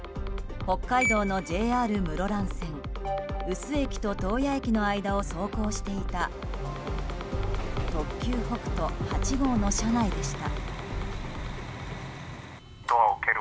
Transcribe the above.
北海道のＪＲ室蘭線有珠駅と洞爺駅の間を走行していた特急「北斗８号」の車内でした。